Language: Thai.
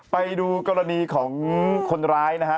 ไปดูกรณีของคนร้ายนะฮะ